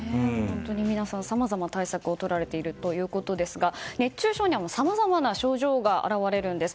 皆さん、さまざま対策をとられていますが熱中症にはさまざまな症状が現れるんです。